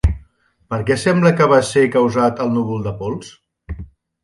Per què sembla que va ser causat el núvol de pols?